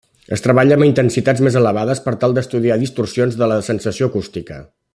Es treballa amb intensitats més elevades per tal d'estudiar distorsions de la sensació acústica.